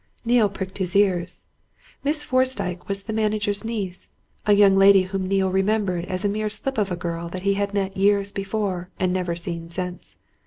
Neale pricked his ears. Miss Fosdyke was the manager's niece a young lady whom Neale remembered as a mere slip of a girl that he had met years before and never seen since.